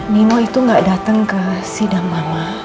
nemo itu gak datang ke sidang mama